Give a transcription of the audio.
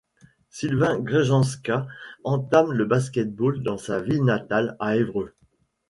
Sylvain Grzanka entame le basket-ball dans sa ville natale, à Évreux.